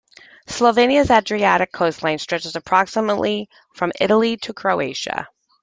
Slovenia's Adriatic coastline stretches approximately from Italy to Croatia.